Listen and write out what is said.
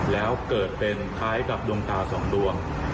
แล้วเกิดเป็นคล้ายกับดวงตาสองดวง